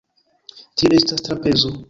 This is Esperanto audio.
Tio estas trapezo.